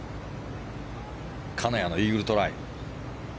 金谷のイーグルトライ。